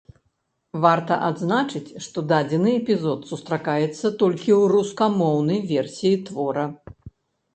Варта адзначыць, што дадзены эпізод сустракаецца толькі ў рускамоўнай версіі твора.